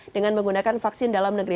dengan menggunakan vaksin dalam negeri